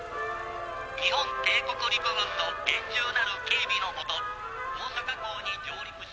日本帝国陸軍の厳重なる警備の下大阪港に上陸し。